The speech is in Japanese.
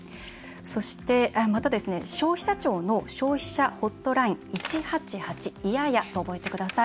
また、消費者庁の消費者ホットライン１８８と覚えてください。